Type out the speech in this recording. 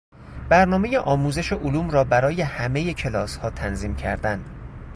برنامهی آموزش علوم را برای همهی کلاسها تنظیم کردن